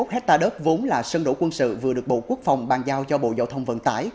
hai mươi hectare đất vốn là sân đổ quân sự vừa được bộ quốc phòng bàn giao cho bộ giao thông vận tải